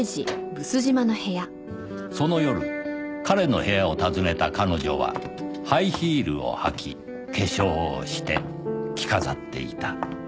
その夜“彼”の部屋を訪ねた“彼女”はハイヒールを履き化粧をして着飾っていた